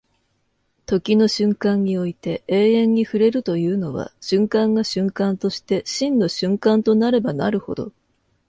時の瞬間において永遠に触れるというのは、瞬間が瞬間として真の瞬間となればなるほど、